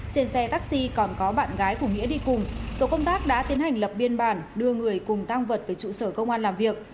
trên xe taxi còn có bạn gái của nghĩa đi cùng tổ công tác đã tiến hành lập biên bản đưa người cùng tăng vật về trụ sở công an làm việc